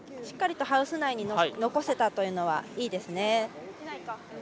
しっかりとハウス内に残せたというのはいいですね。